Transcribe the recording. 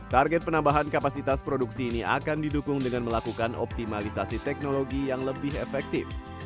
target penambahan kapasitas produksi ini akan didukung dengan melakukan optimalisasi teknologi yang lebih efektif